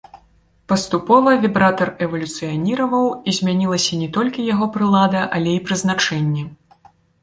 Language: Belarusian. Паступова вібратар эвалюцыяніраваў, і змянілася не толькі яго прылада, але і прызначэнне.